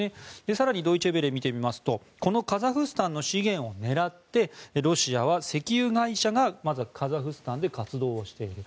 更にドイチェ・ヴェレを見てみますとカザフスタンの資源を狙ってロシアは石油会社がまずはカザフスタンで活動している。